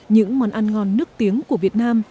những món ăn ngon nước tiếng của việt nam